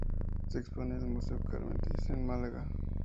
Se expone en el Museo Carmen Thyssen Málaga.